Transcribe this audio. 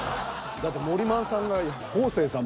だってモリマンさんが方正さん